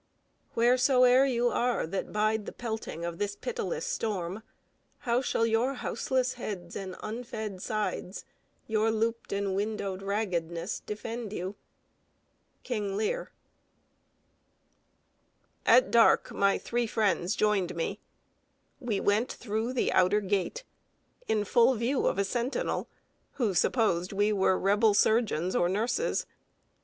Wheresoe'er you are That bide the pelting of this pitiless storm, How shall your houseless heads and unfed sides, Your looped and windowed raggedness, defend you? KING LEAR. [Sidenote: "OUT OF THE JAWS OF DEATH."] At dark, my three friends joined me. We went through the outer gate, in full view of a sentinel, who supposed we were Rebel surgeons or nurses.